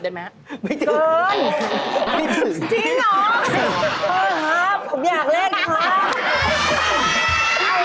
๕๐ได้ไหมครับ